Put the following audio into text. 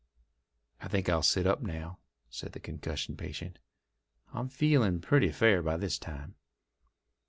"I think I'll sit up now," said the concussion patient. "I'm feeling pretty fair by this time."